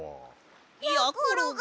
やころが。